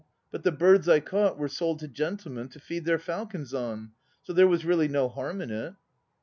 But the birds I caught were sold to gentlemen to feed their falcons on; so there was really no harm in it.